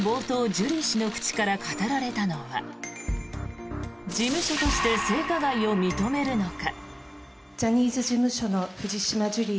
ジュリー氏の口から語られたのは事務所として性加害を認めるのか。